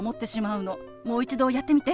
もう一度やってみて。